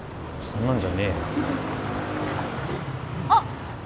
そんなんじゃねえよあっ！